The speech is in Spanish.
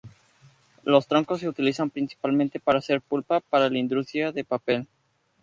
Los troncos se utilizan principalmente para hacer pulpa para la industria de papel.